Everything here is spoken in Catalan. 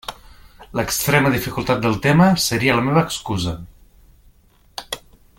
L'extrema dificultat del tema seria la meva excusa.